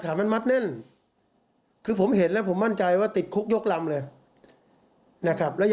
สามารถติดคุกได้ทุกคนเลย